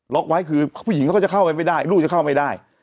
ไว้คือผู้หญิงเขาก็จะเข้าไปไม่ได้ลูกจะเข้าไม่ได้